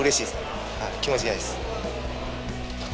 気持ちがいいです。